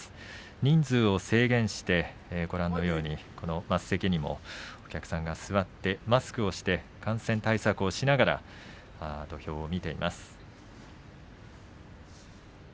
人数を制限して、ご覧のように升席にも、お客さん座ってそしてマスクをして感染対策をしながら土俵を見ています。